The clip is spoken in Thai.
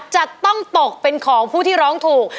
จะต้องตกเป็นของผู้ที่ร้องถูก